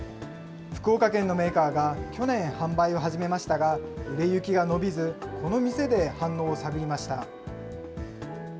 福岡県のメーカーが去年販売を始めましたが、売れ行きが伸びず、この店で反応を探りました。